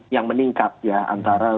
yang meningkat ya antara